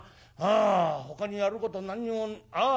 あほかにやること何にもああ